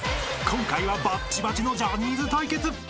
［今回はバッチバチのジャニーズ対決］